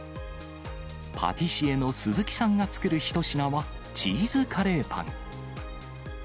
パティシエの鈴木さんが作る一品は、チーズカレーパン。